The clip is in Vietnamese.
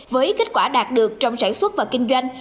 với kết quả đạt được trong sản xuất và kinh doanh